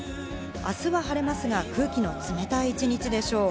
明日は晴れますが、空気の冷たい一日でしょう。